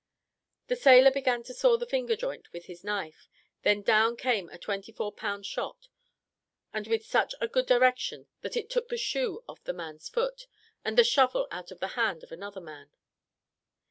The sailor began to saw the finger joint with his knife, when down came a twenty four pound shot, and with such a good direction that it took the shoe off the man's foot, and the shovel out of the hand of another man.